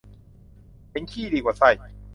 เห็นขี้ดีกว่าไส้